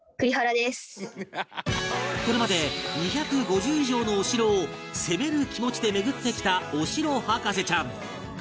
これまで２５０以上のお城を攻める気持ちで巡ってきたお城博士ちゃん栗原響